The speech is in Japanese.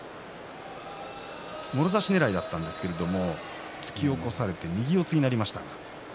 もろ差しねらいだったんですが、突き起こされて右四つになりました。